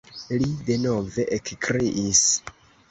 Li denove ekkriis.